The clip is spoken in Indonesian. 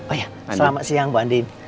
oh iya selamat siang mbak andin